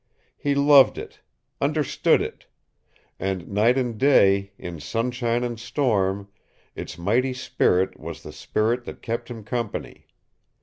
He loved it, understood it, and night and day, in sunshine and storm, its mighty spirit was the spirit that kept him company.